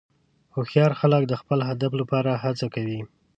هوښیار خلک د خپل هدف لپاره هڅه کوي.